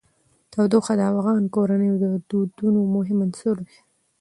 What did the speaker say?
تودوخه د افغان کورنیو د دودونو مهم عنصر دی.